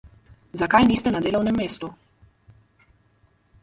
Zakaj niste na delovnem mestu?